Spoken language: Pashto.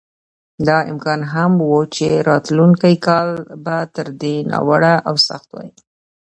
دا امکان هم و چې راتلونکی کال به تر دې ناوړه او سخت وای.